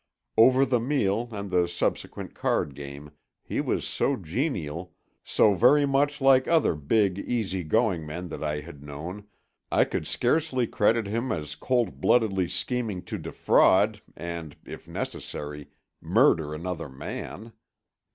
Over the meal and the subsequent card game he was so genial, so very much like other big easy going men that I had known, I could scarcely credit him as cold bloodedly scheming to defraud and, if necessary, murder another man.